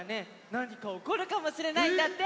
なにかおこるかもしれないんだって！